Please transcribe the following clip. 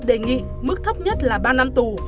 đề nghị mức thấp nhất là ba năm tù